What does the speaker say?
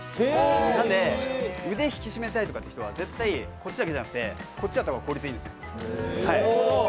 なので、腕を引き締めたいという人はこっちだけじゃなくて、裏もやった方がいいいんですよ。